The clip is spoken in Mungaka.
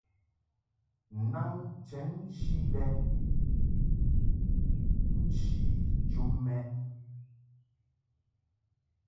Naŋ chenchi lɛ nchi jum mɛʼ.